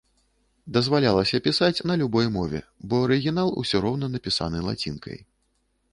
Дазвалялася пісаць на любой мове, бо арыгінал усё роўна напісаны лацінкай.